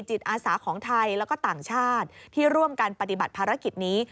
จิตอาสาของไทยแล้วก็ต่างชาติที่ร่วมกันปฏิบัติภารกิจนี้